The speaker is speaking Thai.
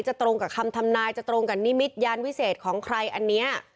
ตรงกับคำทำนายจะตรงกับนิมิตยานวิเศษของใครอันนี้